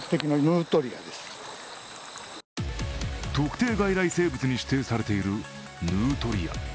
特定外来生物に指定されているヌートリア。